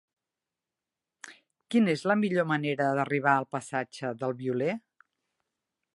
Quina és la millor manera d'arribar al passatge del Violer?